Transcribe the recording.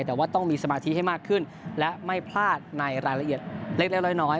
แต่ว่าต้องมีสมาธิให้มากขึ้นและไม่พลาดในรายละเอียดเล็กน้อย